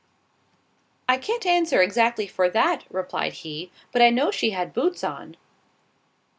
"I can't answer exactly for that," replied he, "but I know she had boots on."